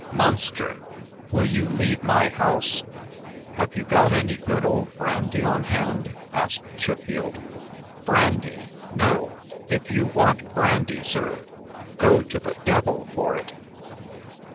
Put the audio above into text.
"Monster! will you leave my house?" "Have you any good old brandy on hand?" asked Chiffield. "Brandy! No. If you want brandy, sir, go to the d l for it."